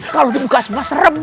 kalau dibuka semua serem